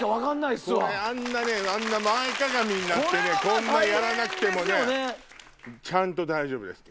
あんな前かがみになってこんなやらなくてもねちゃんと大丈夫です。